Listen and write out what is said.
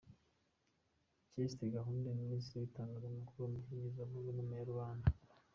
Chaste Gahunde, Ministre w’Itangazamakuru, Umuvugizi wa Guverinoma ya rubanda